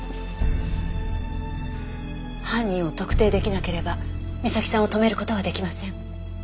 犯人を特定出来なければみさきさんを止める事は出来ません。